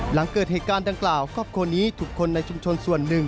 หลังเกิดเหตุการณ์ดังกล่าวครอบครัวนี้ถูกคนในชุมชนส่วนหนึ่ง